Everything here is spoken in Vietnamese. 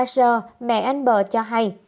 ba giờ mẹ anh bờ cho hay